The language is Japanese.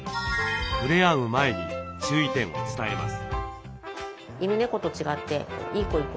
ふれあう前に注意点を伝えます。